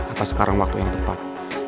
apa sekarang waktu yang tepat